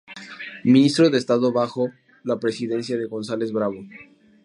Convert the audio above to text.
Ministro de Estado bajo la presidencia de González Bravo.